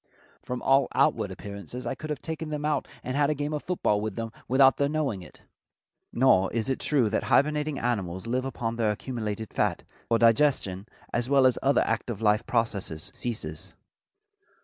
From all outward appearances I could have taken them out and had a game of football with them without their knowing it." Nor is it true that hibernating animals live upon their accumulated fat, for digestion, as well as other active life processes, ceases.